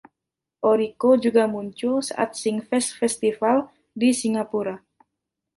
Orrico juga muncul saat Singfest Festival di Singapura.